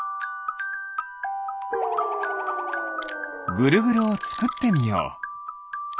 ぐるぐるをつくってみよう！